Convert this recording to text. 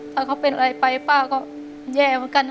ถ้าเขาเป็นอะไรไปป้าก็แย่เหมือนกันนะ